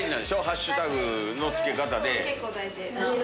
ハッシュタグのつけ方。